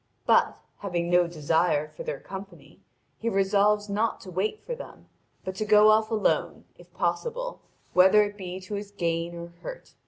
But, having no desire for their company, he resolves not to wait for them, but to go off alone, if possible, whether it be to his gain or hurt.